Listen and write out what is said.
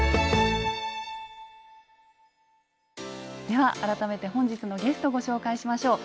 では改めて本日のゲストご紹介しましょう。